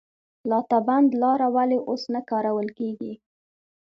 لاتابند لاره ولې اوس نه کارول کیږي؟